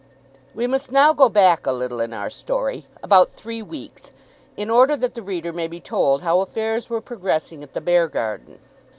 We must now go back a little in our story, about three weeks, in order that the reader may be told how affairs were progressing at the Beargarden.